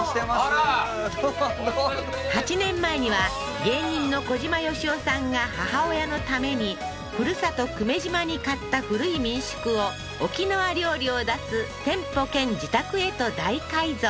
あらははっ８年前には芸人の小島よしおさんが母親のためにふるさと久米島に買った古い民宿を沖縄料理を出す店舗兼自宅へと大改造